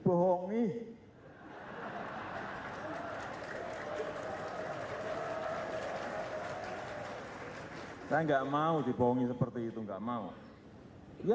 perhatian itu mungkin berirut sebagai api keempat tapi anjing ini muka itu kayak